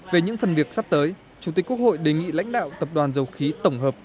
về những phần việc sắp tới chủ tịch quốc hội đề nghị lãnh đạo tập đoàn dầu khí tổng hợp